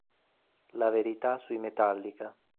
La verità sui Metallica".